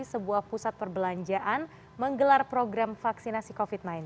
sebuah pusat perbelanjaan menggelar program vaksinasi covid sembilan belas